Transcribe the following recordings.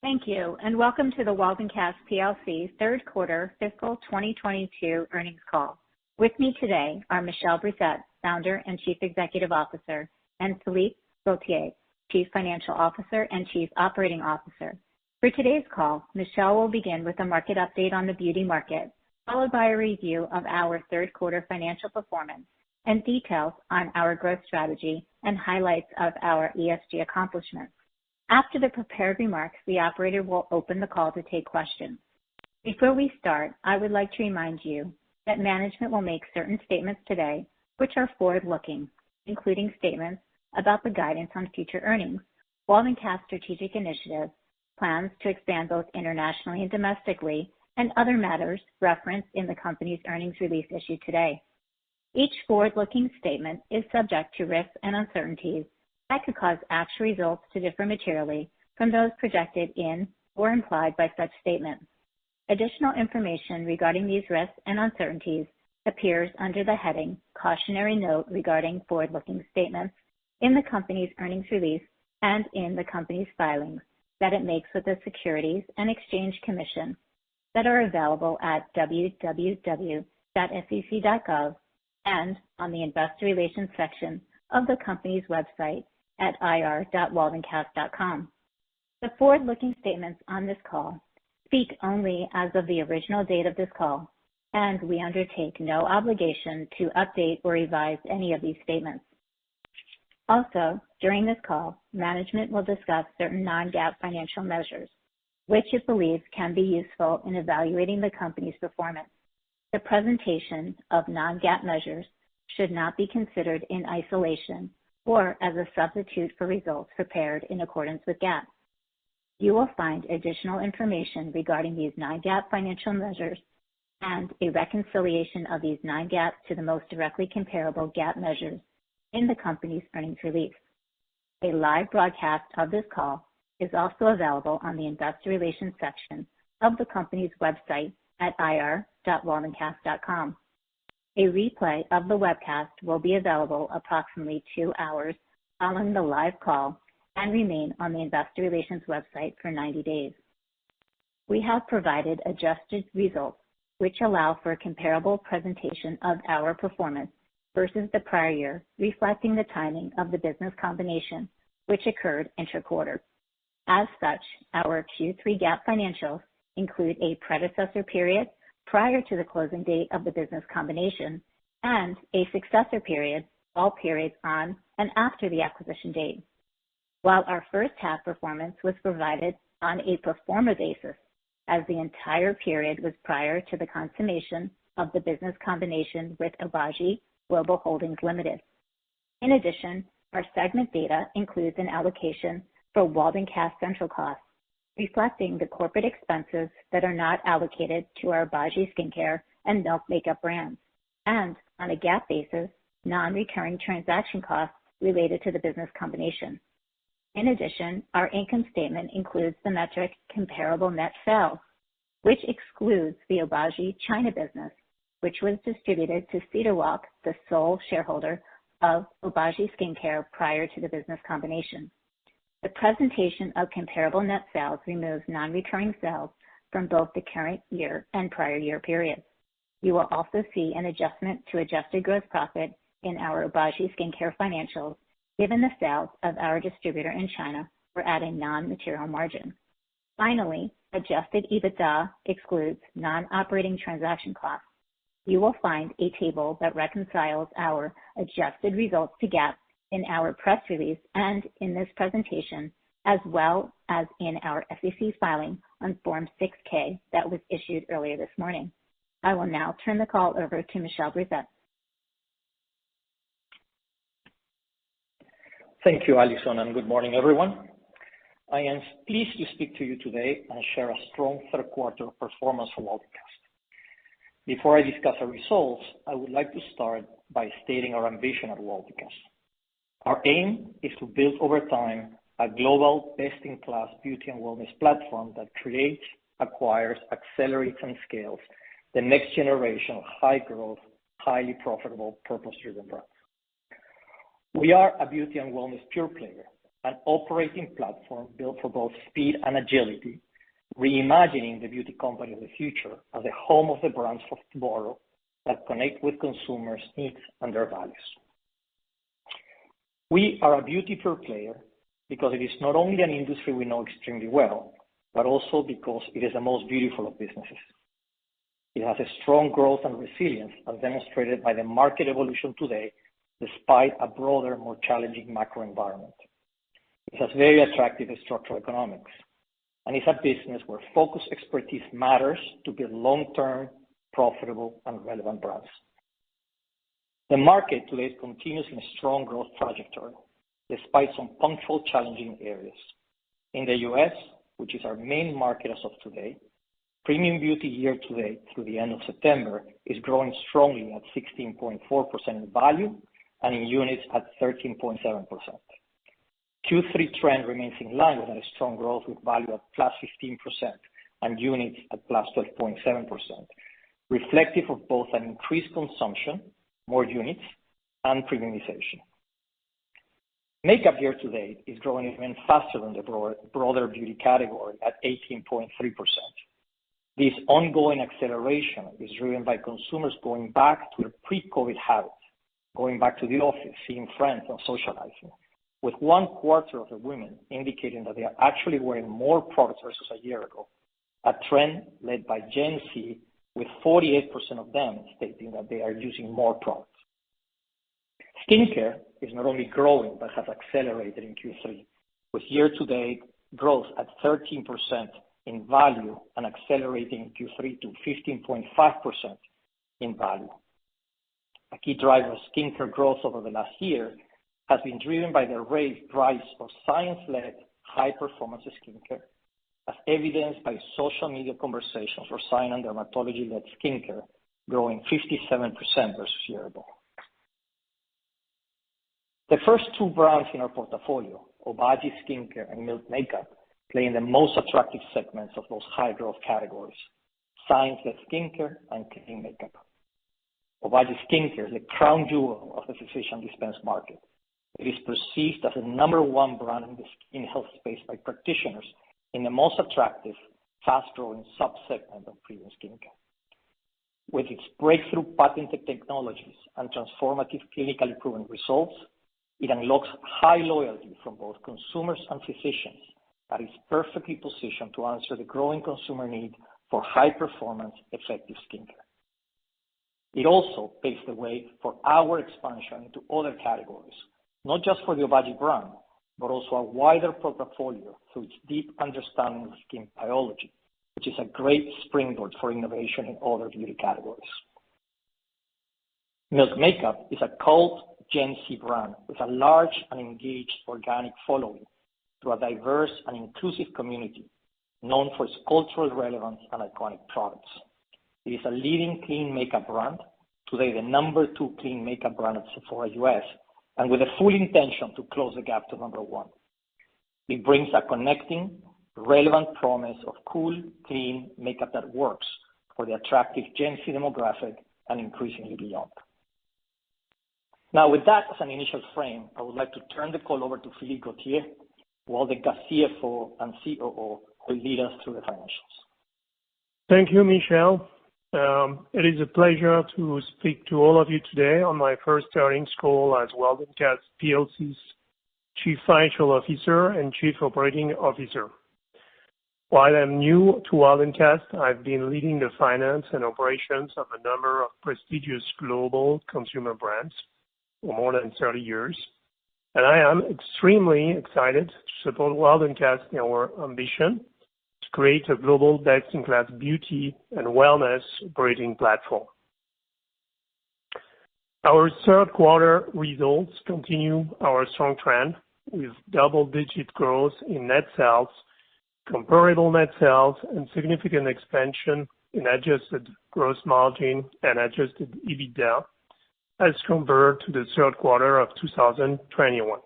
Thank you, and welcome to the Waldencast plc Third Quarter Fiscal 2022 Earnings Call. With me today are Michel Brousset, Founder and Chief Executive Officer, and Philippe Gautier, Chief Financial Officer and Chief Operating Officer. For today's call, Michel will begin with a market update on the beauty market, followed by a review of our third quarter financial performance and details on our growth strategy and highlights of our ESG accomplishments. After the prepared remarks, the operator will open the call to take questions. Before we start, I would like to remind you that management will make certain statements today which are forward-looking, including statements about the guidance on future earnings, Waldencast strategic initiatives, plans to expand both internationally and domestically, and other matters referenced in the company's earnings release issued today. Each forward-looking statement is subject to risks and uncertainties that could cause actual results to differ materially from those projected in or implied by such statements. Additional information regarding these risks and uncertainties appears under the heading Cautionary Note regarding Forward-Looking Statements in the company's earnings release and in the company's filings that it makes with the Securities and Exchange Commission that are available at www.sec.gov and on the investor relations section of the company's website at ir.waldencast.com. The forward-looking statements on this call speak only as of the original date of this call, and we undertake no obligation to update or revise any of these statements. Also, during this call, management will discuss certain non-GAAP financial measures which it believes can be useful in evaluating the company's performance. The presentation of non-GAAP measures should not be considered in isolation or as a substitute for results prepared in accordance with GAAP. You will find additional information regarding these non-GAAP financial measures and a reconciliation of these non-GAAP to the most directly comparable GAAP measures in the company's earnings release. A live broadcast of this call is also available on the investor relations section of the company's website at ir.waldencast.com. A replay of the webcast will be available approximately two hours following the live call and remain on the investor relations website for 90 days. We have provided adjusted results which allow for a comparable presentation of our performance versus the prior year, reflecting the timing of the business combination which occurred intra-quarter. As such, our Q3 GAAP financials include a predecessor period prior to the closing date of the business combination and a successor period, all periods on and after the acquisition date. While our first half performance was provided on a pro forma basis as the entire period was prior to the consummation of the business combination with Obagi Global Holdings Limited. In addition, our segment data includes an allocation for Waldencast central costs, reflecting the corporate expenses that are not allocated to our Obagi Skincare and Milk Makeup brands, and on a GAAP basis, non-recurring transaction costs related to the business combination. In addition, our income statement includes the metric comparable net sales, which excludes the Obagi China business, which was distributed to Cedarwalk, the sole shareholder of Obagi Skincare prior to the business combination. The presentation of comparable net sales removes non-recurring sales from both the current year and prior year periods. You will also see an adjustment to adjusted gross profit in our Obagi Skincare financials, given the sales of our distributor in China for adding non-material margin. Finally, adjusted EBITDA excludes non-operating transaction costs. You will find a table that reconciles our adjusted results to GAAP in our press release and in this presentation, as well as in our SEC filing on Form 6-K that was issued earlier this morning. I will now turn the call over to Michel Brousset. Thank you, Allison, and good morning, everyone. I am pleased to speak to you today and share a strong third quarter performance for Waldencast. Before I discuss our results, I would like to start by stating our ambition at Waldencast. Our aim is to build over time a global best-in-class beauty and wellness platform that creates, acquires, accelerates, and scales the next generation of high-growth, highly profitable purpose-driven brands. We are a beauty and wellness pure player, an operating platform built for both speed and agility, reimagining the beauty company of the future as a home of the brands of tomorrow that connect with consumers' needs and their values. We are a beauty pure player because it is not only an industry we know extremely well, but also because it is the most beautiful of businesses. It has a strong growth and resilience, as demonstrated by the market evolution today, despite a broader, more challenging macro environment, which has very attractive structural economics and is a business where focused expertise matters to build long-term, profitable, and relevant brands. The market today continues in a strong growth trajectory, despite some punctual challenging areas. In the U.S., which is our main market as of today, premium beauty year to date through the end of September is growing strongly at 16.4% in value and in units at 13.7%. Q3 trend remains in line with a strong growth, with value at +15% and units at +12.7%, reflective of both an increased consumption, more units, and premiumization. Makeup year to date is growing even faster than the broader beauty category at 18.3%. This ongoing acceleration is driven by consumers going back to their pre-COVID habits, going back to the office, seeing friends, and socializing, with one-quarter of the women indicating that they are actually wearing more products versus a year ago. A trend led by Gen Z, with 48% of them stating that they are using more products. Skincare is not only growing, but has accelerated in Q3, with year-to-date growth at 13% in value and accelerating in Q3 to 15.5% in value. A key driver of skincare growth over the last year has been driven by the rise in price of science-led high-performance skincare, as evidenced by social media conversations for science and dermatology-led skincare growing 57% versus a year ago. The first two brands in our portfolio, Obagi Skincare and Milk Makeup, play in the most attractive segments of those high-growth categories, science-led skincare and clean makeup. Obagi Skincare is the crown jewel of the physician dispense market. It is perceived as the number one brand in the skin health space by practitioners in the most attractive, fast-growing subsegment of premium skincare. With its breakthrough patented technologies and transformative clinically proven results, it unlocks high loyalty from both consumers and physicians that is perfectly positioned to answer the growing consumer need for high-performance effective skincare. It also paves the way for our expansion into other categories, not just for the Obagi brand, but also our wider pro portfolio through its deep understanding of skin biology, which is a great springboard for innovation in other beauty categories. Milk Makeup is a cult Gen Z brand with a large and engaged organic following through a diverse and inclusive community known for its cultural relevance and iconic products. It is a leading clean makeup brand, today the number two clean makeup brand at Sephora U.S., and with a full intention to close the gap to number one. It brings a connecting relevant promise of cool, clean makeup that works for the attractive Gen Z demographic and increasingly beyond. Now, with that as an initial frame, I would like to turn the call over to Philippe Gautier, Waldencast CFO and COO, who will lead us through the financials. Thank you, Michel. It is a pleasure to speak to all of you today on my first earnings call as Waldencast plc's Chief Financial Officer and Chief Operating Officer. While I'm new to Waldencast, I've been leading the finance and operations of a number of prestigious global consumer brands for more than 30 years, and I am extremely excited to support Waldencast in our ambition to create a global best-in-class beauty and wellness operating platform. Our third quarter results continue our strong trend with double-digit growth in net sales, comparable net sales and significant expansion in adjusted gross margin and adjusted EBITDA as compared to the third quarter of 2021.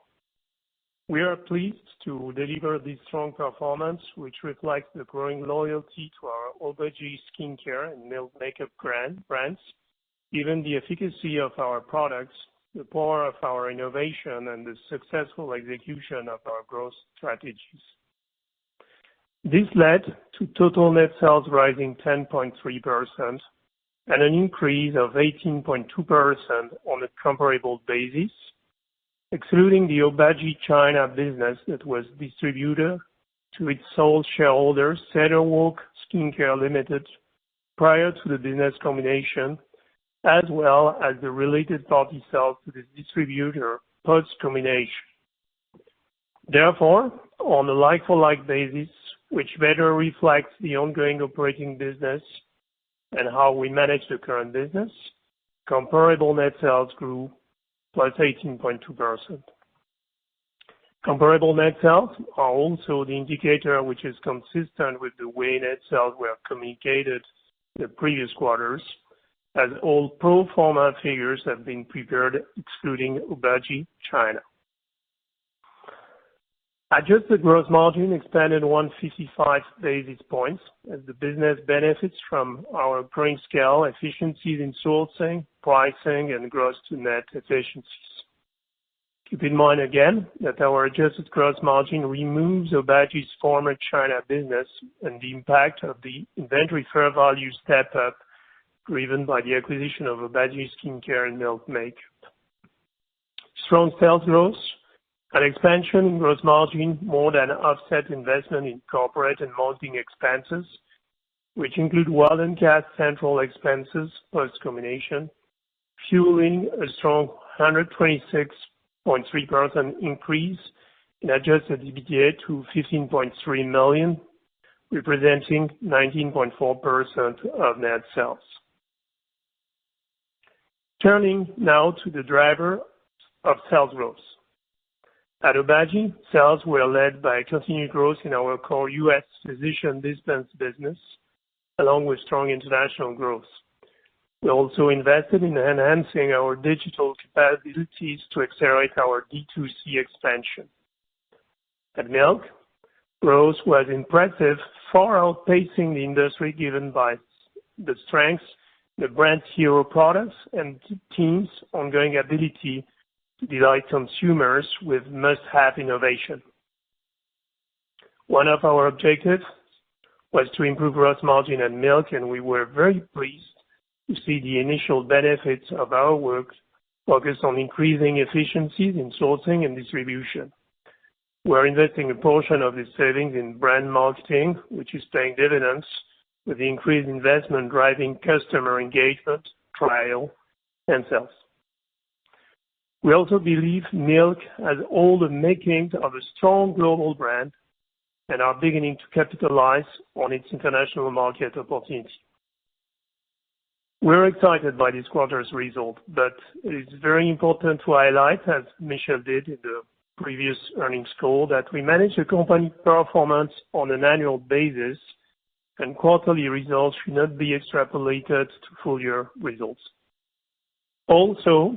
We are pleased to deliver this strong performance, which reflects the growing loyalty to our Obagi Skincare and Milk Makeup brands, given the efficacy of our products, the power of our innovation, and the successful execution of our growth strategies. This led to total net sales rising 10.3% and an increase of 18.2% on a comparable basis, excluding the Obagi China business that was distributed to its sole shareholder, Cedarwalk Skincare Limited, prior to the business combination, as well as the related party sale to the distributor post combination. Therefore, on a like-for-like basis, which better reflects the ongoing operating business and how we manage the current business, comparable net sales grew +18.2%. Comparable net sales are also the indicator which is consistent with the way net sales were communicated in the previous quarters, as all pro forma figures have been prepared excluding Obagi China. Adjusted gross margin expanded 155 basis points as the business benefits from our growing scale efficiencies in sourcing, pricing, and gross to net efficiencies. Keep in mind again that our adjusted gross margin removes Obagi's former China business and the impact of the inventory fair value step-up driven by the acquisition of Obagi Skincare and Milk Makeup. Strong sales growth and expansion in gross margin more than offset investment in corporate and marketing expenses, which include Waldencast's central expenses plus combination, fueling a strong 126.3% increase in adjusted EBITDA to $15.3 million, representing 19.4% of net sales. Turning now to the driver of sales growth. At Obagi, sales were led by continued growth in our core U.S. physician dispense business along with strong international growth. We also invested in enhancing our digital capabilities to accelerate our D2C expansion. At Milk, growth was impressive, far outpacing the industry given the strengths, the brand hero products, and team's ongoing ability to delight consumers with must-have innovation. One of our objectives was to improve gross margin at Milk, and we were very pleased to see the initial benefits of our work focused on increasing efficiencies in sourcing and distribution. We're investing a portion of these savings in brand marketing, which is paying dividends with increased investment driving customer engagement, trial, and sales. We also believe Milk has all the makings of a strong global brand and are beginning to capitalize on its international market opportunity. We're excited by this quarter's result, but it is very important to highlight, as Michel did in the previous earnings call, that we manage the company's performance on an annual basis and quarterly results should not be extrapolated to full year results. Also,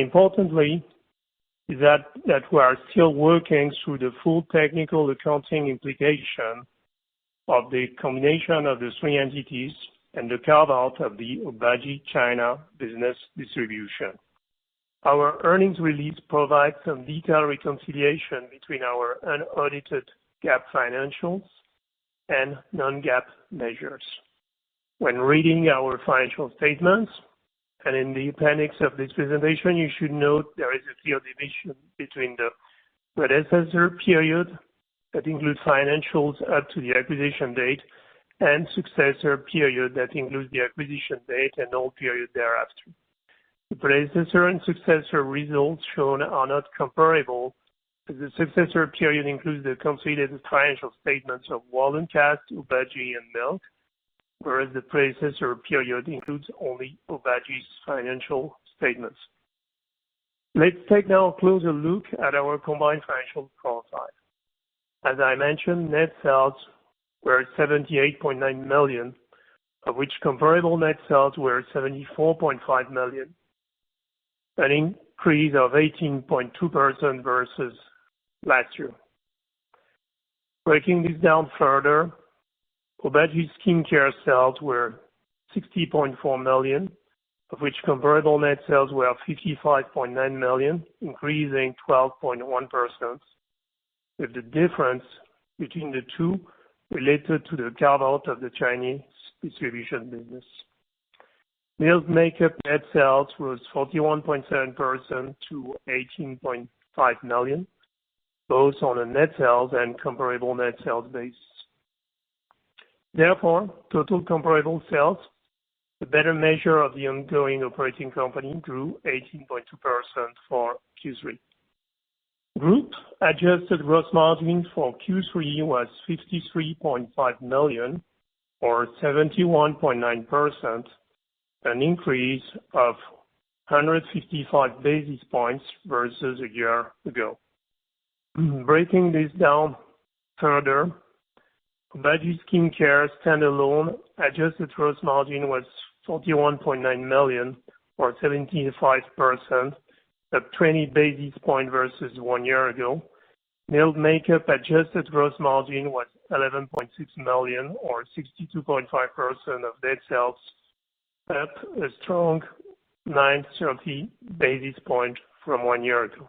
importantly is that we are still working through the full technical accounting implication of the combination of the three entities and the carve-out of the Obagi China business distribution. Our earnings release provides some detailed reconciliation between our unaudited GAAP financials and non-GAAP measures. When reading our financial statements and in the appendix of this presentation, you should note there is a clear division between the predecessor period that includes financials up to the acquisition date and successor period that includes the acquisition date and all period thereafter. The predecessor and successor results shown are not comparable, as the successor period includes the completed financial statements of Waldencast, Obagi, and Milk whereas the predecessor period includes only Obagi's financial statements. Let's take now a closer look at our combined financial profile. As I mentioned, net sales were $78.9 million, of which comparable net sales were $74.5 million, an increase of 18.2% versus last year. Breaking this down further, Obagi Skincare sales were $60.4 million, of which comparable net sales were $55.9 million, increasing 12.1%, with the difference between the two related to the carve-out of the Chinese distribution business. Milk Makeup net sales grew 41.7% to $18.5 million, both on a net sales and comparable net sales base. Therefore, total comparable sales, the better measure of the ongoing operating company, grew 18.2% for Q3. Group adjusted gross margin for Q3 was $53.5 million or 71.9%, an increase of 155 basis points versus a year ago. Breaking this down further, Obagi Skincare stand-alone adjusted gross margin was $41.9 million or 75%, up 20 basis points versus one year ago. Milk Makeup adjusted gross margin was $11.6 million or 62.5% of net sales, up a strong 930 basis points from one year ago.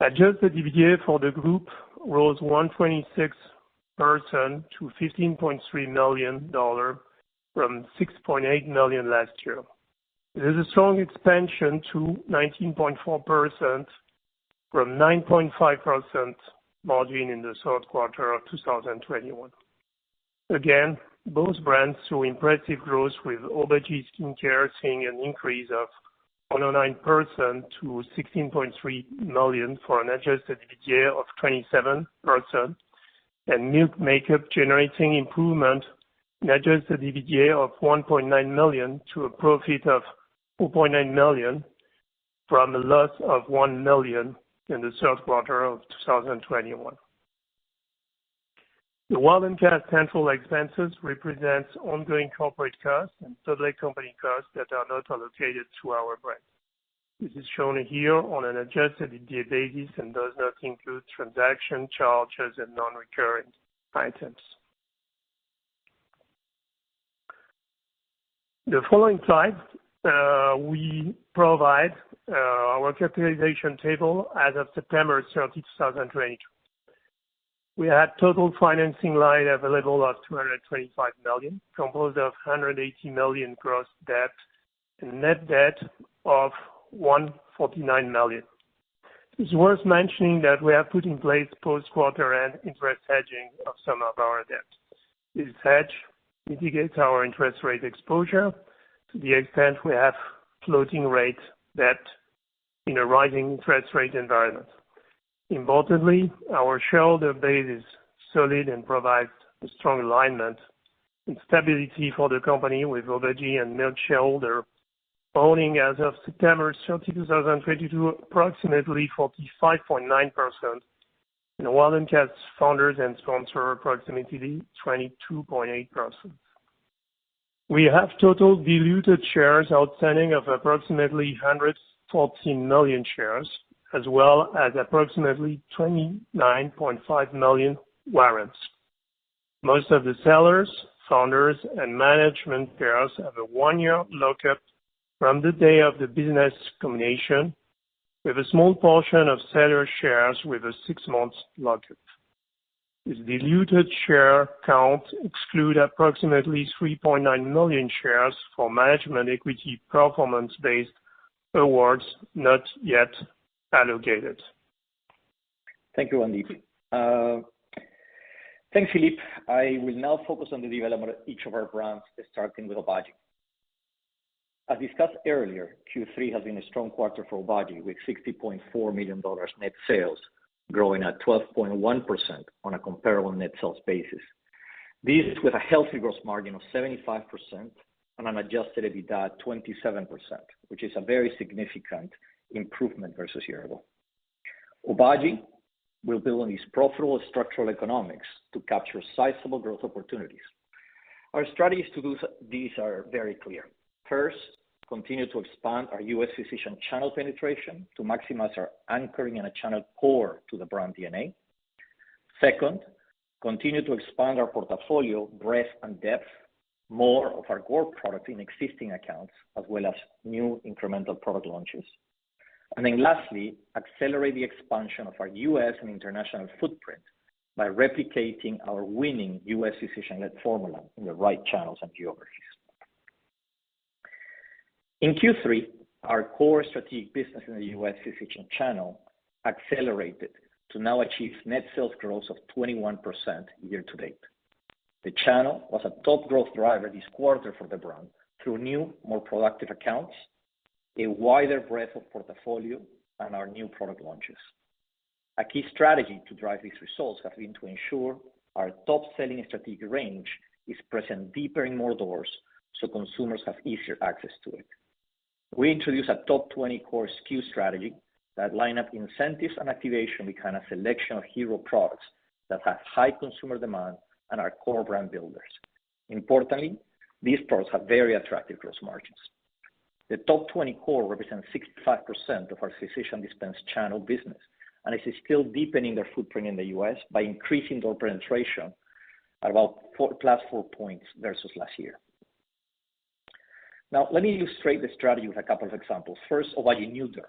Adjusted EBITDA for the group rose 126% to $15.3 million from $6.8 million last year. It is a strong expansion to 19.4% from 9.5% margin in the third quarter of 2021. Again, both brands saw impressive growth, with Obagi Skincare seeing an increase of 109% to $16.3 million for an adjusted EBITDA of 27%, and Milk Makeup generating improvement in adjusted EBITDA of $1.9 million to a profit of $4.9 million from a loss of $1 million in the third quarter of 2021. The Waldencast central expenses represents ongoing corporate costs and public company costs that are not allocated to our brand. This is shown here on an adjusted EBITDA basis and does not include transaction charges and non-recurring items. The following slide, we provide our capitalization table as of September 30, 2022. We had total financing line available of $225 million, composed of $180 million gross debt and net debt of $149 million. It's worth mentioning that we have put in place post-quarter end interest hedging of some of our debt. This hedge mitigates our interest rate exposure to the extent we have floating rate debt in a rising interest rate environment. Importantly, our shareholder base is solid and provides a strong alignment and stability for the company, with Obagi and Milk shareholder owning as of September 30, 2022, approximately 45.9%, and Waldencast founders and sponsor approximately 22.8%. We have total diluted shares outstanding of approximately 114 million shares, as well as approximately 29.5 million warrants. Most of the sellers, founders, and management carriers have a one-year lockup from the day of the business combination, with a small portion of seller shares with a six-month lockup. This diluted share count excludes approximately 3.9 million shares for management equity performance-based awards not yet allocated. Thank you, [Randeep]. Thanks, Philippe. I will now focus on the development of each of our brands starting with Obagi. As discussed earlier, Q3 has been a strong quarter for Obagi, with $60.4 million net sales growing at 12.1% on a comparable net sales basis. This is with a healthy gross margin of 75% on an adjusted EBITDA at 27%, which is a very significant improvement versus year-over-year. Obagi will build on these profitable structural economics to capture sizable growth opportunities. Our strategies. These are very clear. First, continue to expand our U.S. physician channel penetration to maximize our anchoring in a channel core to the brand DNA. Second, continue to expand our portfolio breadth and depth, more of our core product in existing accounts, as well as new incremental product launches. Lastly, accelerate the expansion of our U.S. and international footprint by replicating our winning U.S. physician-led formula in the right channels and geographies. In Q3, our core strategic business in the U.S. physician channel accelerated to now achieve net sales growth of 21% year to date. The channel was a top growth driver this quarter for the brand through new, more productive accounts, a wider breadth of portfolio, and our new product launches. A key strategy to drive these results has been to ensure our top-selling strategic range is present deeper in more doors, so consumers have easier access to it. We introduced a top 20 core SKU strategy that line up incentives and activation with kind of selection of hero products that have high consumer demand and are core brand builders. Importantly, these products have very attractive gross margins. The top 20 core represents 65% of our physician dispense channel business, and it is still deepening their footprint in the U.S. by increasing door penetration at about four-plus points versus last year. Now, let me illustrate the strategy with a couple of examples. First, Obagi Nu-Derm.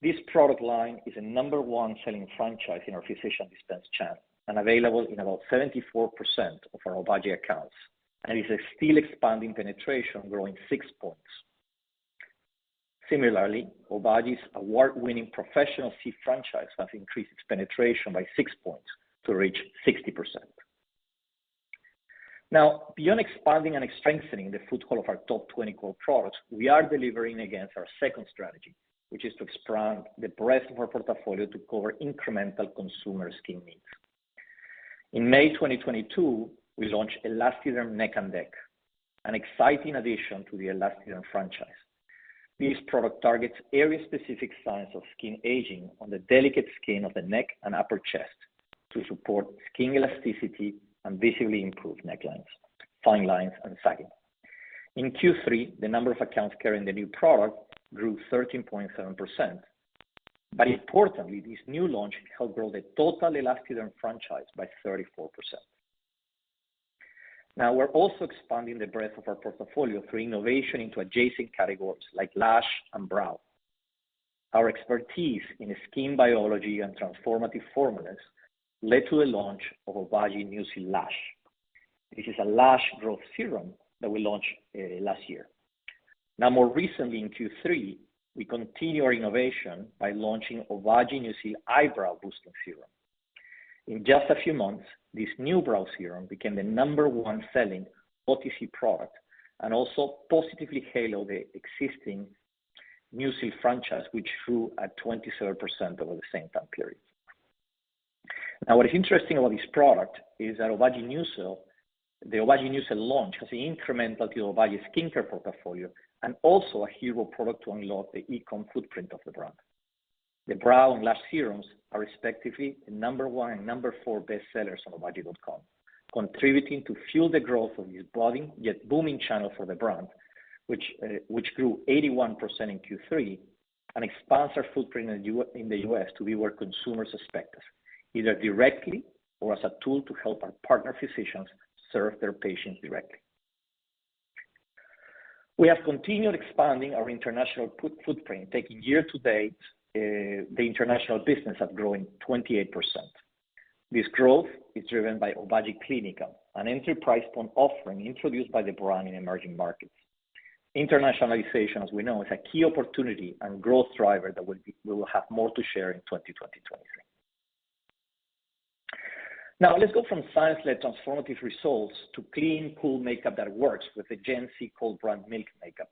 This product line is a number one selling franchise in our physician dispense channel and available in about 74% of our Obagi accounts and is still expanding penetration growing six points. Similarly, Obagi's award-winning Professional-C franchise has increased its penetration by six points to reach 60%. Now, beyond expanding and strengthening the foothold of our top 20 core products, we are delivering against our second strategy, which is to expand the breadth of our portfolio to cover incremental consumer skin needs. In May 2022, we launched Elastiderm Neck and Décolleté, an exciting addition to the Elastiderm franchise. This product targets area-specific signs of skin aging on the delicate skin of the neck and upper chest to support skin elasticity and visibly improve necklines, fine lines, and sagging. In Q3, the number of accounts carrying the new product grew 13.7%. Importantly, this new launch helped grow the total Elastiderm franchise by 34%. Now we're also expanding the breadth of our portfolio through innovation into adjacent categories like lash and brow. Our expertise in skin biology and transformative formulas led to the launch of Obagi Nu-Cil Lash. This is a lash growth serum that we launched last year. Now more recently in Q3, we continue our innovation by launching Obagi Nu-Cil Eyebrow Boosting Serum. In just a few months, this new brow serum became the number one selling OTC product and also positively halo the existing Nu-Cil franchise, which grew at 23% over the same time period. Now, what is interesting about this product is that Obagi Nu-Cil. The Obagi Nu-Cil launch is incremental to Obagi Skincare portfolio and also a hero product to unlock the e-com footprint of the brand. The brow and lash serums are respectively the number one and number four bestsellers on Obagi.com contributing to fuel the growth of this budding, yet booming channel for the brand, which grew 81% in Q3 and expands our footprint in the U.S. to be where consumers expect us, either directly or as a tool to help our partner physicians serve their patients directly. We have continued expanding our international footprint year to date, the international business have grown 28%. This growth is driven by Obagi Clinical, an entry-point offering introduced by the brand in emerging markets. Internationalization, as we know, is a key opportunity and growth driver that we will have more to share in 2023. Now, let's go from science-led transformative results to clean, cool makeup that works with the Gen Z cult brand Milk Makeup.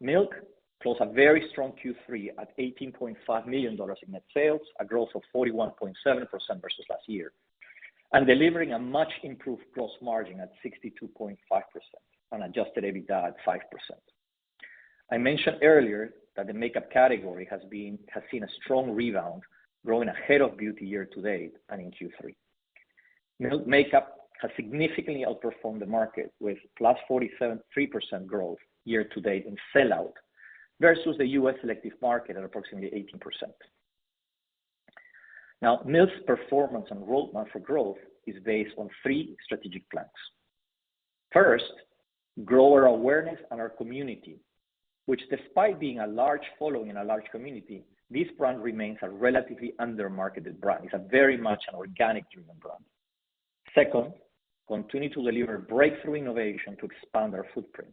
Milk closed a very strong Q3 at $18.5 million in net sales, a growth of 41.7% versus last year, and delivering a much improved gross margin at 62.5% on adjusted EBITDA at 5%. I mentioned earlier that the makeup category has seen a strong rebound growing ahead of beauty year to date and in Q3. Milk Makeup has significantly outperformed the market with +47.3% growth year to date in sell-out versus the U.S. selective market at approximately 18%. Milk's performance and roadmap for growth is based on three strategic plans. First, grow our awareness and our community, which despite being a large following and a large community, this brand remains a relatively under-marketed brand. It's a very much an organic-driven brand. Second, continue to deliver breakthrough innovation to expand our footprint.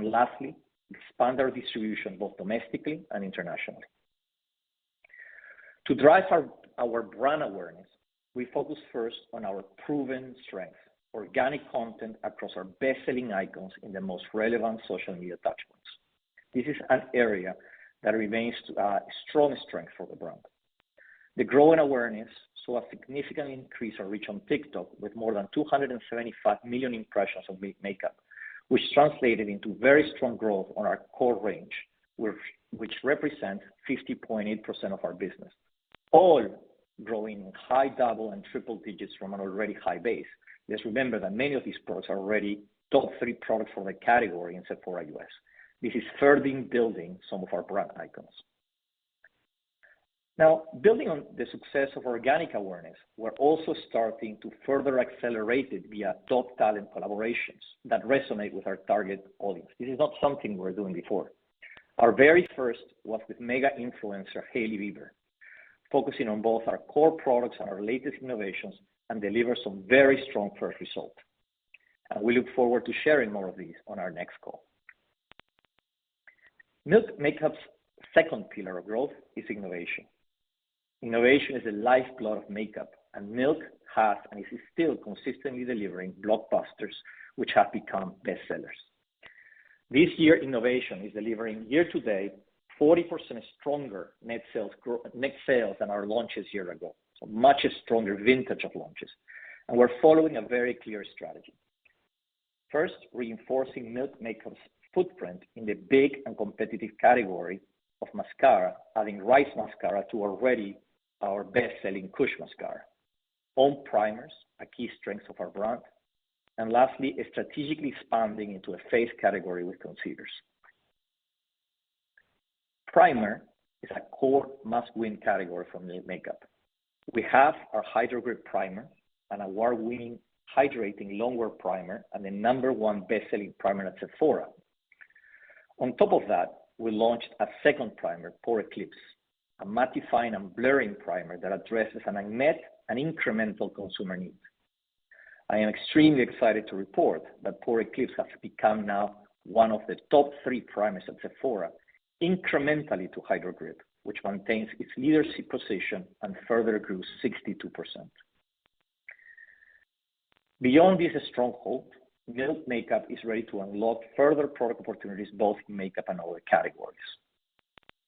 Lastly, expand our distribution both domestically and internationally. To drive our brand awareness, we focus first on our proven strength, organic content across our best-selling icons in the most relevant social media touchpoints. This is an area that remains a strong strength for the brand. The growing awareness saw a significant increase in reach on TikTok with more than 275 million impressions of Milk Makeup, which translated into very strong growth on our core range, which represent 50.8% of our business, all growing high double and triple digits from an already high base. Just remember that many of these products are already top three products from the category in Sephora U.S.. This is further building some of our brand icons. Now, building on the success of organic awareness, we're also starting to further accelerate it via top talent collaborations that resonate with our target audience. This is not something we were doing before. Our very first was with mega influencer Hailey Bieber, focusing on both our core products and our latest innovations and deliver some very strong first result. We look forward to sharing more of these on our next call. Milk Makeup's second pillar of growth is innovation. Innovation is the lifeblood of makeup, and Milk has and is still consistently delivering blockbusters which have become bestsellers. This year, innovation is delivering year to date 40% stronger net sales than our launches year ago. Much a stronger vintage of launches. We're following a very clear strategy. First, reinforcing Milk Makeup's footprint in the big and competitive category of mascara, adding RISE Mascara to already our best-selling KUSH Mascara. All primers, a key strength of our brand. Lastly, strategically expanding into a face category with concealers. Primer is a core must-win category for Milk Makeup. We have our Hydro Grip Primer, an award-winning hydrating long-wear primer, and the number one best-selling primer at Sephora. On top of that, we launched a second primer, Pore Eclipse, a mattifying and blurring primer that addresses an unmet and incremental consumer need. I am extremely excited to report that Pore Eclipse has become now one of the top three primers at Sephora, incrementally to Hydro Grip, which maintains its leadership position and further grew 62%. Beyond this stronghold, Milk Makeup is ready to unlock further product opportunities, both in makeup and other categories.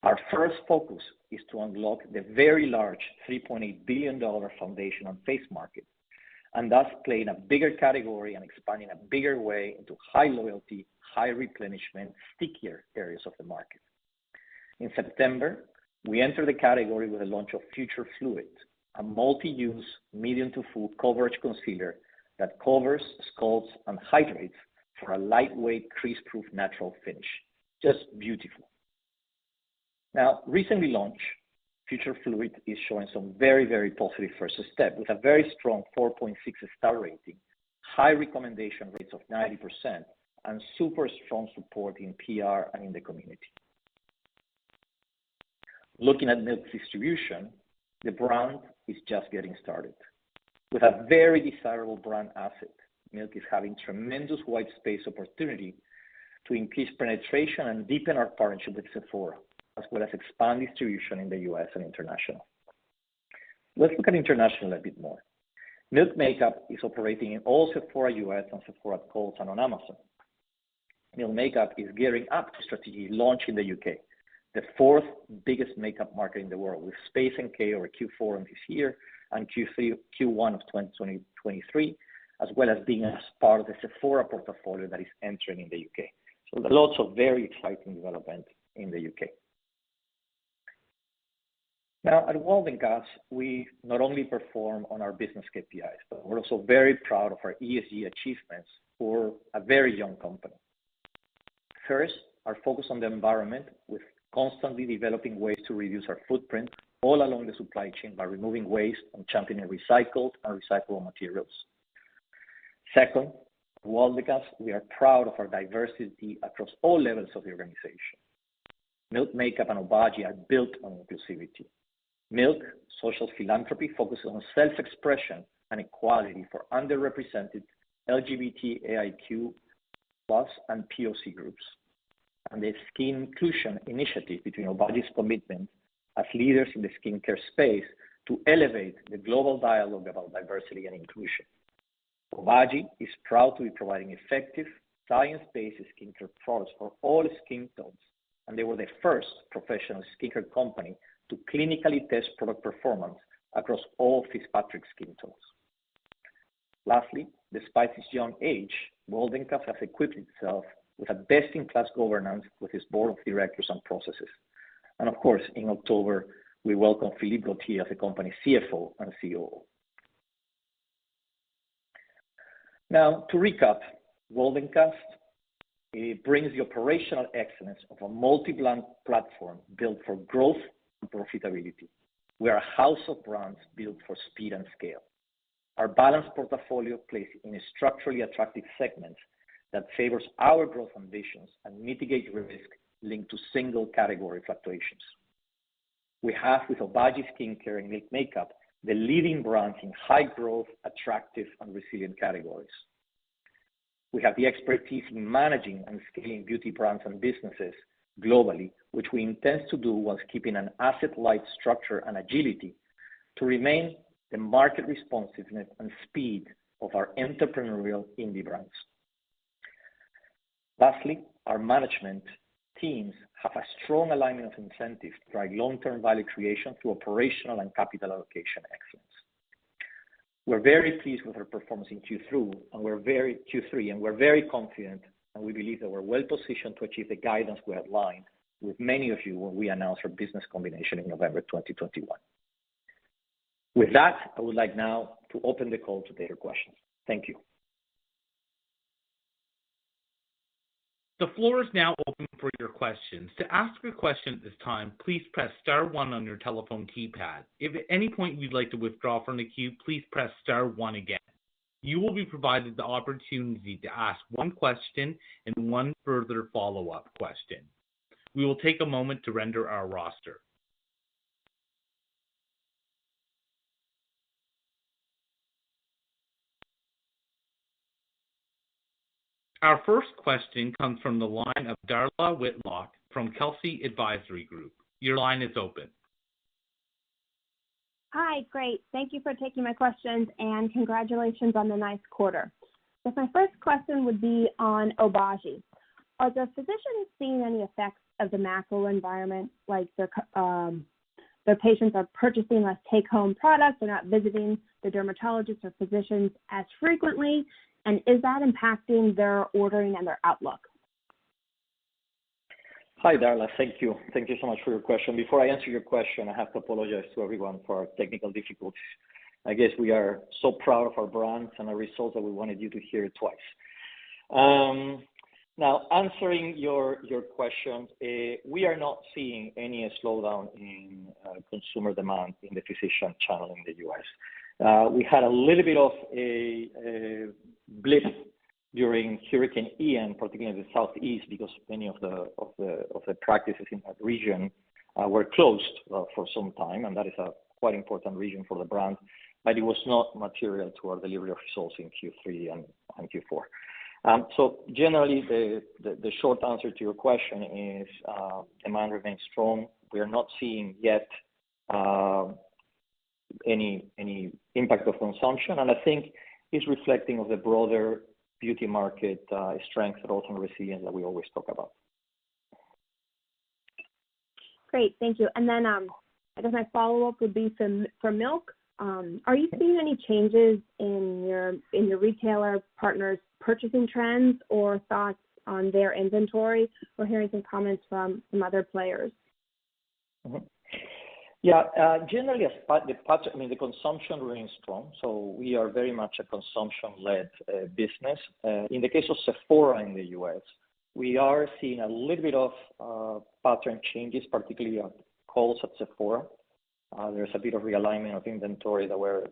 Our first focus is to unlock the very large $3.8 billion foundation and face market, and thus play in a bigger category and expanding a bigger way into high loyalty, high replenishment, stickier areas of the market. In September, we entered the category with the launch of Future Fluid, a multi-use medium to full coverage concealer that covers, sculpts, and hydrates for a lightweight crease-proof natural finish. Just beautiful. Now, recently launched, Future Fluid is showing some very, very positive first step with a very strong 4.6-star rating, high recommendation rates of 90%, and super strong support in PR and in the community. Looking at Milk's distribution, the brand is just getting started. With a very desirable brand asset, Milk is having tremendous white space opportunity to increase penetration and deepen our partnership with Sephora, as well as expand distribution in the U.S. and international. Let's look at international a bit more. Milk Makeup is operating in all Sephora U.S. and sephora.com on Amazon. Milk Makeup is gearing up to strategically launch in the U.K., the fourth biggest makeup market in the world, with space in U.K. over Q4 of this year and Q1 of 2023, as well as being a part of the Sephora portfolio that is entering in the U.K.. There are lots of very exciting developments in the U.K. Now, at Waldencast, we not only perform on our business KPIs, but we're also very proud of our ESG achievements for a very young company. First, our focus on the environment, with constantly developing ways to reduce our footprint all along the supply chain by removing waste and championing recycled and recyclable materials. Second, at Waldencast, we are proud of our diversity across all levels of the organization. Milk Makeup and Obagi are built on inclusivity. Milk's social philanthropy focuses on self-expression and equality for underrepresented LGBTQIA+ and POC groups. The SKINCLUSION initiative between Obagi's commitment as leaders in the skincare space to elevate the global dialogue about diversity and inclusion. Obagi is proud to be providing effective, science-based skincare products for all skin tones, and they were the first professional skincare company to clinically test product performance across all Fitzpatrick skin tones. Lastly, despite its young age, Waldencast has equipped itself with a best-in-class governance with its board of directors and processes. Of course, in October, we welcomed Philippe Gautier as the company's CFO and COO. Now to recap, Waldencast, it brings the operational excellence of a multi-brand platform built for growth and profitability. We are a house of brands built for speed and scale. Our balanced portfolio plays in a structurally attractive segment that favors our growth ambitions and mitigates risk linked to single category fluctuations. We have with Obagi Skincare and Milk Makeup, the leading brands in high-growth, attractive and resilient categories. We have the expertise in managing and scaling beauty brands and businesses globally, which we intend to do while keeping an asset-light structure and agility to remain the market responsiveness and speed of our entrepreneurial indie brands. Lastly, our management teams have a strong alignment of incentives to drive long-term value creation through operational and capital allocation excellence. We're very pleased with our performance in Q3, and we're very confident, and we believe that we're well positioned to achieve the guidance we outlined with many of you when we announced our business combination in November 2021. With that, I would like now to open the call to take your questions. Thank you. The floor is now open for your questions. To ask your question at this time, please press star one on your telephone keypad. If at any point you'd like to withdraw from the queue, please press star one again. You will be provided the opportunity to ask one question and one further follow-up question. We will take a moment to render our roster. Our first question comes from the line of Darla Whitlock from Telsey Advisory Group. Your line is open. Hi. Great. Thank you for taking my questions, and congratulations on the nice quarter. My first question would be on Obagi. Are the physicians seeing any effects of the macro environment, like their patients are purchasing less take-home products, they're not visiting the dermatologists or physicians as frequently, and is that impacting their ordering and their outlook? Hi, Darla. Thank you. Thank you so much for your question. Before I answer your question, I have to apologize to everyone for our technical difficulties. I guess we are so proud of our brands and our results that we wanted you to hear it twice. Now answering your question, we are not seeing any slowdown in consumer demand in the physician channel in the U.S. We had a little bit of a blip during Hurricane Ian, particularly in the Southeast because many of the practices in that region were closed for some time, and that is a quite important region for the brand, but it was not material to our delivery of results in Q3 and Q4. Generally, the short answer to your question is demand remains strong. We are not seeing yet any impact of consumption, and I think it's reflecting of the broader beauty market strength that ultimately we always talk about. Great. Thank you. I guess my follow-up would be for Milk. Are you seeing any changes in your retailer partners' purchasing trends or thoughts on their inventory? We're hearing some comments from some other players. Generally, I mean, the consumption remains strong, so we are very much a consumption-led business. In the case of Sephora in the U.S., we are seeing a little bit of pattern changes, particularly on calls at Sephora. There's a bit of realignment of inventory that we're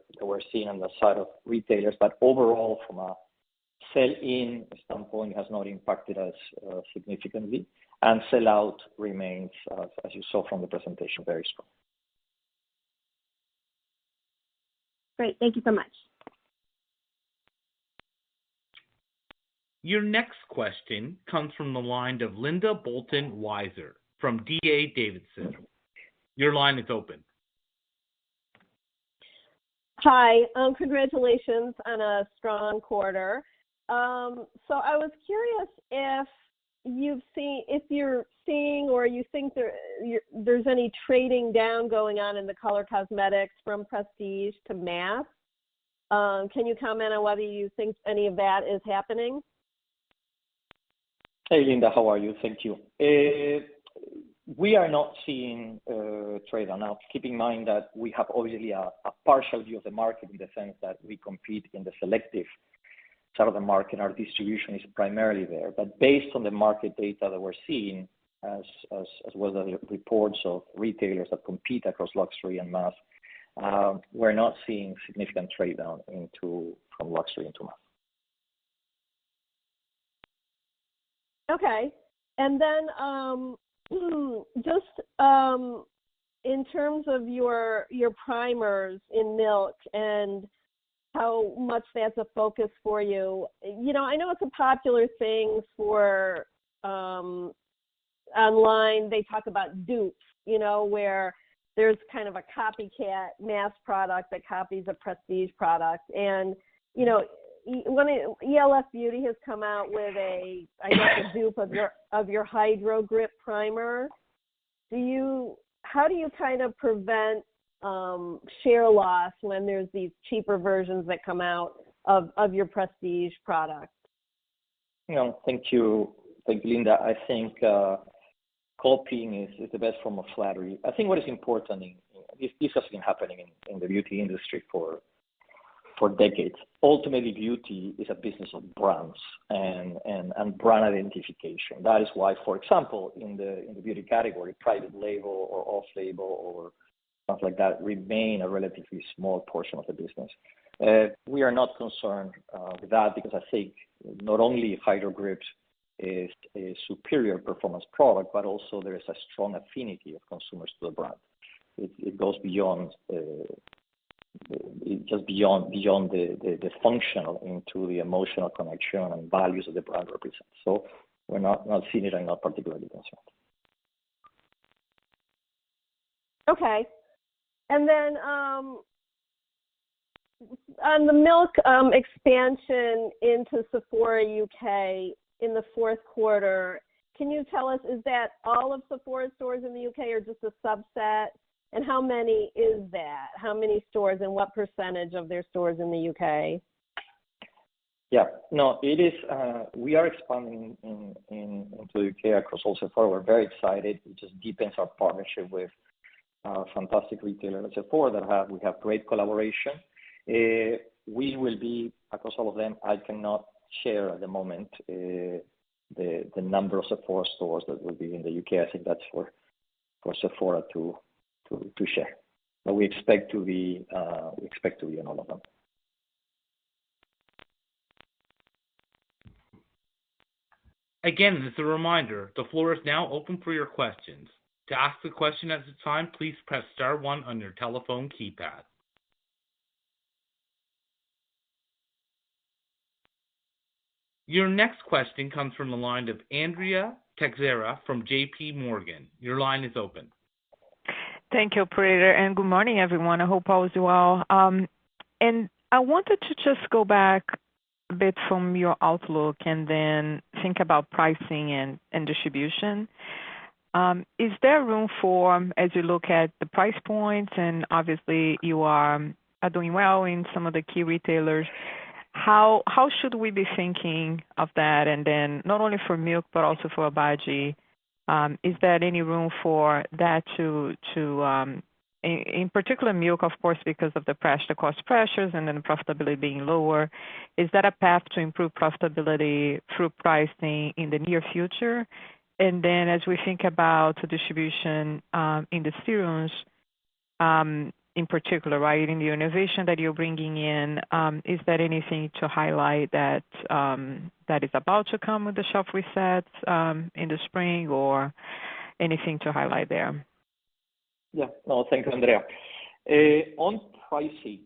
seeing on the side of retailers. Overall from a sell in standpoint has not impacted us significantly, and sell out remains, as you saw from the presentation, very strong. Great. Thank you so much. Your next question comes from the line of Linda Bolton Weiser from D.A. Davidson. Your line is open. Hi. Congratulations on a strong quarter. I was curious if you're seeing or you think there's any trading down going on in the color cosmetics from prestige to mass. Can you comment on whether you think any of that is happening? Hey, Linda. How are you? Thank you. We are not seeing trade-down. Now, keep in mind that we have obviously a partial view of the market in the sense that we compete in the selective side of the market. Our distribution is primarily there. Based on the market data that we're seeing as well as the reports of retailers that compete across luxury and mass, we're not seeing significant trade-down from luxury into mass. In terms of your primers in Milk and how much that's a focus for you. You know, I know it's a popular thing for online. They talk about dupes, you know, where there's kind of a copycat mass product that copies a prestige product. e.l.f. Beauty has come out with a, I guess, a dupe of your Hydro Grip Primer. How do you kind of prevent share loss when there's these cheaper versions that come out of your prestige products? You know, thank you. Thanks, Linda. I think copying is the best form of flattery. I think what is important, this has been happening in the beauty industry for decades. Ultimately, beauty is a business of brands and brand identification. That is why, for example, in the beauty category, private label or off-label or stuff like that remain a relatively small portion of the business. We are not concerned with that because I think not only Hydro Grip is a superior performance product, but also there is a strong affinity of consumers to the brand. It goes beyond just the functional into the emotional connection and values that the brand represents. We're not seeing it and not particularly concerned. On the Milk expansion into Sephora U.K. in the fourth quarter, can you tell us, is that all of Sephora stores in the U.K. or just a subset? How many is that? How many stores and what percentage of their stores in the U.K.? Yeah. No, it is, we are expanding into U.K. across all Sephora. We're very excited. It just deepens our partnership with a fantastic retailer like Sephora that we have great collaboration. We will be across all of them. I cannot share at the moment the number of Sephora stores that will be in the U.K.. I think that's for Sephora to share. We expect to be in all of them. Again, as a reminder, the floor is now open for your questions. To ask a question at this time, please press star one on your telephone keypad. Your next question comes from the line of Andrea Teixeira from JPMorgan. Your line is open. Thank you, operator, and good morning, everyone. I hope all is well. I wanted to just go back a bit from your outlook and then think about pricing and distribution. Is there room for, as you look at the price points, and obviously you are doing well in some of the key retailers, how should we be thinking of that? Not only for Milk, but also for Obagi, is there any room for that to, in particular Milk, of course, because of the cost pressures and then profitability being lower, is that a path to improve profitability through pricing in the near future? As we think about the distribution, in the serums, in particular, right? In the innovation that you're bringing in, is there anything to highlight that that is about to come with the shelf resets in the spring or anything to highlight there? Yeah. No, thank you, Andrea. On pricing,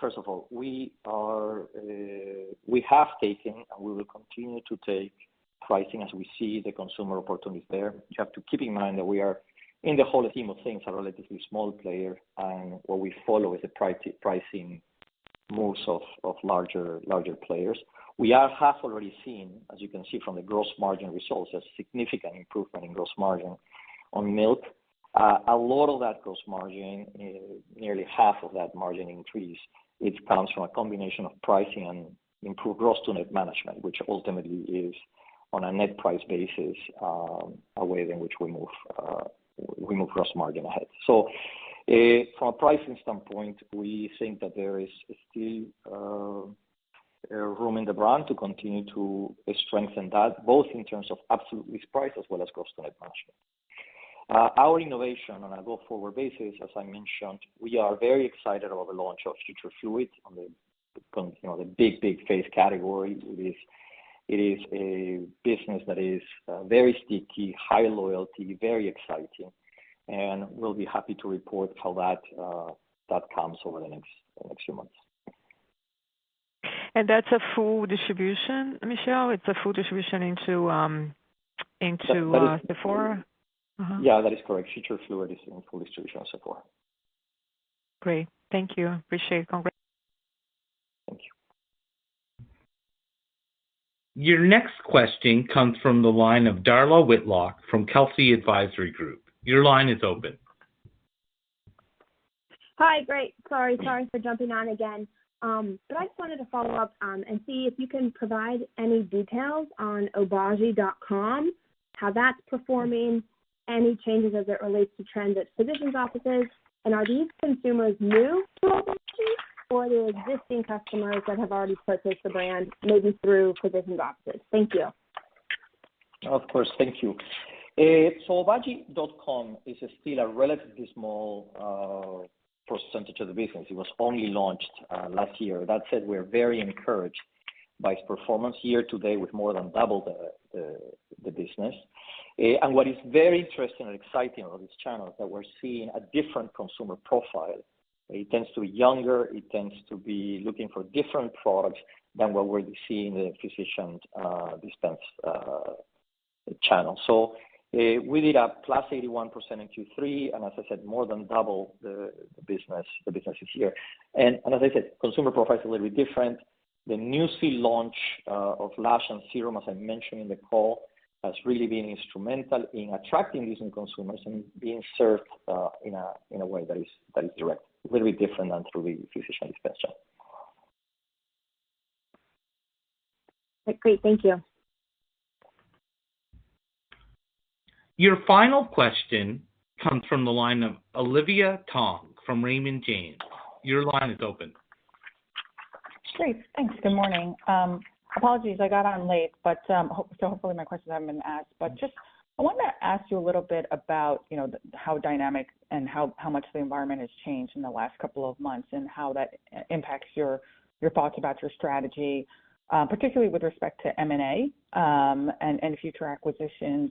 first of all, we have taken, and we will continue to take pricing as we see the consumer opportunities there. You have to keep in mind that we are, in the whole scheme of things, a relatively small player, and what we follow is the pricing moves of larger players. We have already seen, as you can see from the gross margin results, a significant improvement in gross margin on Milk. A lot of that gross margin, nearly half of that margin increase, it comes from a combination of pricing and improved gross-to-net management, which ultimately is on a net price basis, a way in which we move gross margin ahead. From a pricing standpoint, we think that there is still room in the brand to continue to strengthen that, both in terms of absolute list price as well as gross-to-net management. Our innovation on a go-forward basis, as I mentioned, we are very excited about the launch of Future Fluid on the, you know, the big face category. It is a business that is very sticky, high loyalty, very exciting, and we'll be happy to report how that comes over the next few months. That's a full distribution, Michel? It's a full distribution into Sephora? Yeah, that is correct. Future Fluid is in full distribution at Sephora. Great. Thank you. Appreciate it. Congrats. Thank you. Your next question comes from the line of Darla Whitlock from Telsey Advisory Group. Your line is open. Hi. Great. Sorry for jumping on again. I just wanted to follow up, and see if you can provide any details on obagi.com, how that's performing, any changes as it relates to trend at physicians' offices, and are these consumers new to Obagi or the existing customers that have already purchased the brand maybe through physicians' offices? Thank you. Of course. Thank you. obagi.com is still a relatively small percentage of the business. It was only launched last year. That said, we're very encouraged by its performance year-to-date with more than double the business. What is very interesting and exciting on this channel is that we're seeing a different consumer profile. It tends to be younger. It tends to be looking for different products than what we're seeing in the physician-dispensed channel. We did +81% in Q3, and as I said, more than double the business here. As I said, consumer profile is a little bit different. The new Nu-Cil launch of Lash and Serum, as I mentioned in the call, has really been instrumental in attracting these new consumers and being served in a way that is direct, really different than through the physician discussion. Great. Thank you. Your final question comes from the line of Olivia Tong from Raymond James. Your line is open. Great. Thanks. Good morning. Apologies I got on late, but hopefully my questions haven't been asked. I wanted to ask you a little bit about, you know, how dynamic and how much the environment has changed in the last couple of months, and how that impacts your thoughts about your strategy, particularly with respect to M&A, and future acquisitions,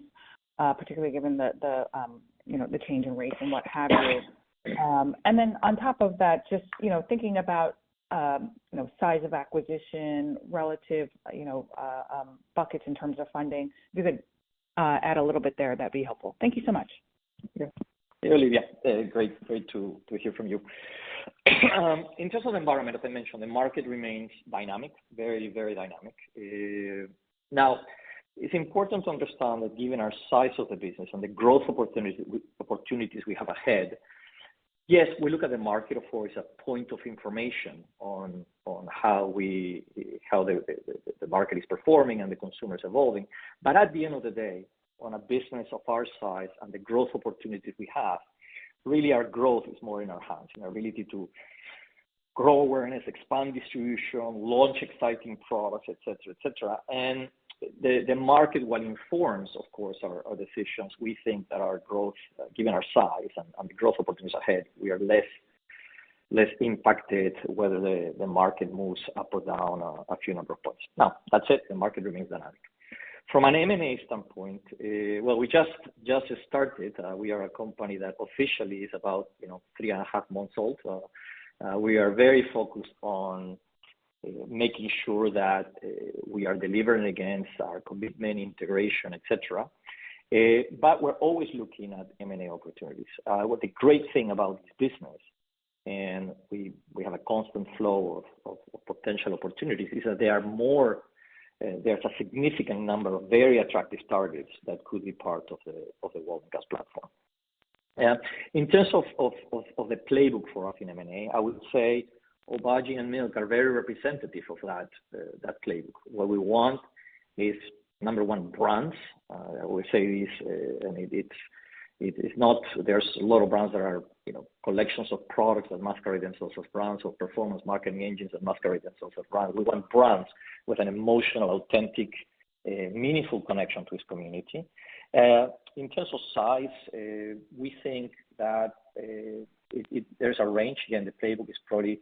particularly given the change in rates and what have you. Then on top of that, just, you know, thinking about, you know, size of acquisition relative, you know, buckets in terms of funding. If you could add a little bit there, that'd be helpful. Thank you so much. Yeah. Olivia, great to hear from you. In terms of environment, as I mentioned, the market remains dynamic, very dynamic. Now it's important to understand that given our size of the business and the growth opportunities we have ahead, yes, we look at the market, of course, as a point of information on how the market is performing and the consumer's evolving. At the end of the day, on a business of our size and the growth opportunities we have, really our growth is more in our hands and our ability to grow awareness, expand distribution, launch exciting products, et cetera, et cetera. The market, while it informs, of course, our decisions, we think that our growth, given our size and the growth opportunities ahead, we are less impacted whether the market moves up or down a few number of points. Now, that said, the market remains dynamic. From an M&A standpoint, well, we just started. We are a company that officially is about, you know, three and a half months old. We are very focused on making sure that we are delivering against our commitment, integration, et cetera. But we're always looking at M&A opportunities. What the great thing about this business, and we have a constant flow of potential opportunities, is that there are more. There's a significant number of very attractive targets that could be part of the Waldencast platform. In terms of the playbook for us in M&A, I would say Obagi and Milk are very representative of that playbook. What we want is, number one, brands. We say this and it's not. There's a lot of brands that are, you know, collections of products that masquerade themselves as brands or performance marketing engines that masquerade themselves as brands. We want brands with an emotional, authentic, meaningful connection to its community. In terms of size, we think that there's a range. Again, the playbook is probably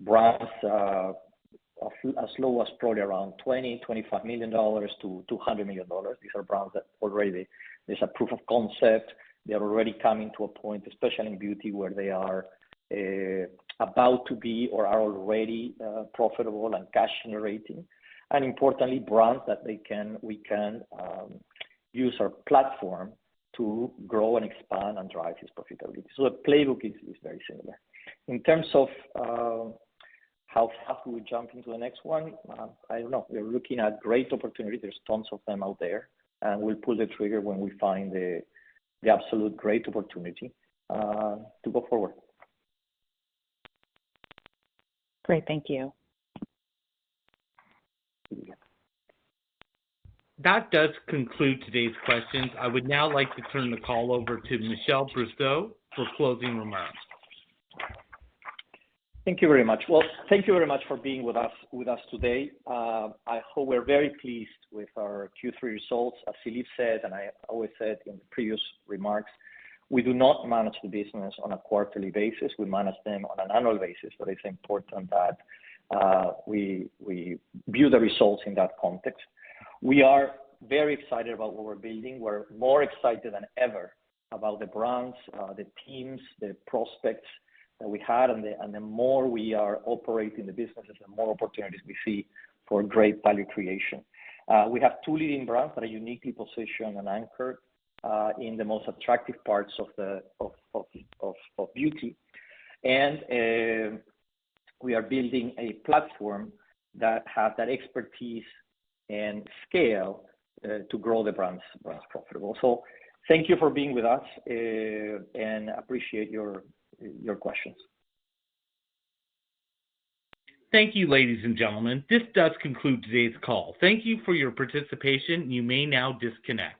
brands as low as probably around $20 million, $25 million-$200 million. These are brands that already there's a proof of concept. They're already coming to a point, especially in beauty, where they are about to be or are already profitable and cash generating, and importantly, brands that we can use our platform to grow and expand and drive this profitability. The playbook is very similar. In terms of how fast we jump into the next one, I don't know. We're looking at great opportunities. There's tons of them out there, and we'll pull the trigger when we find the absolute great opportunity to go forward. Great. Thank you. Yeah. That does conclude today's questions. I would now like to turn the call over to Michel Brousset for closing remarks. Thank you very much. Well, thank you very much for being with us today. I hope we're very pleased with our Q3 results. As Philippe said, and I always said in the previous remarks, we do not manage the business on a quarterly basis. We manage them on an annual basis. It's important that we view the results in that context. We are very excited about what we're building. We're more excited than ever about the brands, the teams, the prospects that we had. The more we are operating the businesses, the more opportunities we see for great value creation. We have two leading brands that are uniquely positioned and anchored in the most attractive parts of beauty. We are building a platform that have that expertise and scale to grow the brands profitable. Thank you for being with us and appreciate your questions. Thank you, ladies and gentlemen. This does conclude today's call. Thank you for your participation. You may now disconnect.